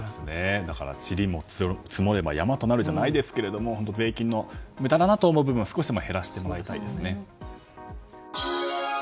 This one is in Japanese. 塵も積もれば山となるじゃないですけど税金の無駄だなと思う部分は少しでも減らしてもらいたいですね。